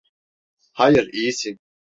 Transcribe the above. Hayır, iyisin.